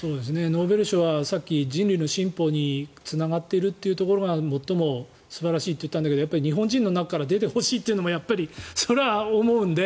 ノーベル賞はさっき人類の進歩につながっているところが最も素晴らしいと言ったんだけどやっぱり日本人の中から出てほしいというのはやっぱりそれは思うんで。